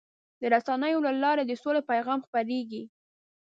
د رسنیو له لارې د سولې پیغام خپرېږي.